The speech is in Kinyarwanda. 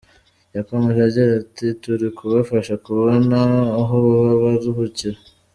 Yakomeje agira ati "Turi kubafasha kubona aho baba baruhukira.